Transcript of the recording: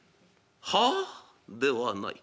「『はあ』ではない。